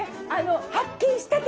発見したて！